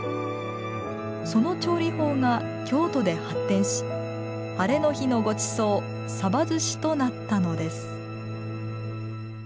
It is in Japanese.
その調理法が京都で発展しハレの日のごちそう寿司となったのです